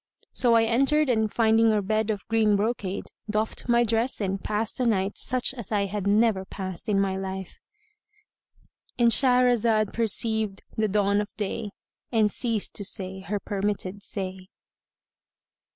So I entered and finding a bed of green brocade, doffed my dress and passed a night such as I had never passed in my life.——And Shahrazad perceived the dawn of day and ceased to say her permitted say.